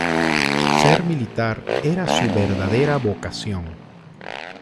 Ser militar era su verdadera vocación.